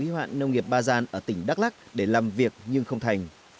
y hoạn nông nghiệp ba gian ở tỉnh đắk lắc để làm việc nhưng không thành